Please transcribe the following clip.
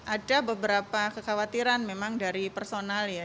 ada beberapa kekhawatiran memang dari personal ya